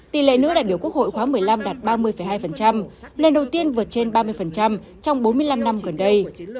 tỷ lệ nữ đại biểu quốc hội khóa một mươi năm đạt ba mươi hai lần đầu tiên vượt trên ba mươi trong bốn mươi năm năm gần đây